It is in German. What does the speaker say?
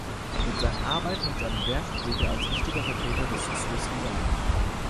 Mit seinen Arbeiten und seinem Werk gilt er als wichtiger Vertreter des Swiss Design.